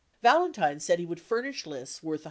Val entine said he would furnish lists worth $137,000.